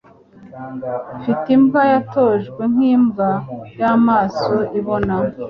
Mfite imbwa yatojwe nkimbwa y'amaso ibona.